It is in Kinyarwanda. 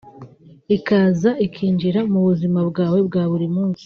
ikaza ikinjira mu buzima bwawe bwa buri munsi